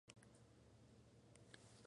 Se continúa con la decoración incisa.